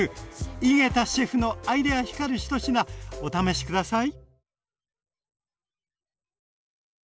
井桁シェフのアイデア光る一品お試しください。